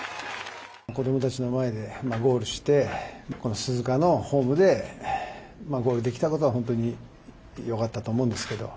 子どもたちの前でゴールしてこの鈴鹿のホームでゴールできたことは本当によかったと思うんですけど。